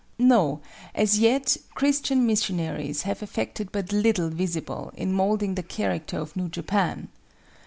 No, as yet Christian missions have effected but little visible in moulding the character of New Japan.